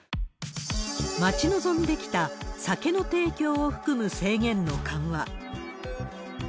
待ち望んできた酒の提供を含む制限の緩和。